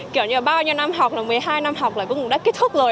kiểu như bao nhiêu năm học là một mươi hai năm học là cuối cùng đã kết thúc rồi